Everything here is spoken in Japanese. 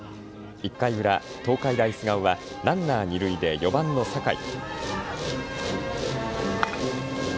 １回裏、東海大菅生はランナー二塁で４番の酒井。